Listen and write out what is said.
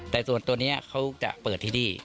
แต่ส่วนตัวนี้เขาจะเปิดที่นี่